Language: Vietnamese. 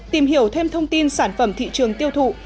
tìm hiểu thêm thông tin sản phẩm thị trường tiêu thụ